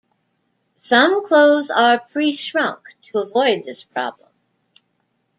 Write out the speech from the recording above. Some clothes are "pre-shrunk" to avoid this problem.